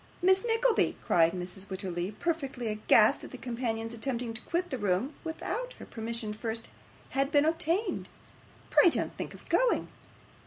'Miss Nickleby!' cried Mrs. Wititterly, perfectly aghast at a companion's attempting to quit the room, without her permission first had and obtained. 'Pray don't think of going.